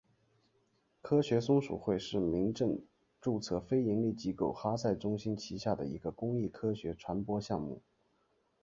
科学松鼠会是民政注册非营利机构哈赛中心旗下的一个公益科学传播项目。